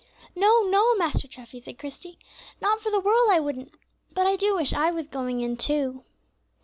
"No, no, Master Treffy," said Christie, "not for the world I wouldn't; but I do wish I was going in too."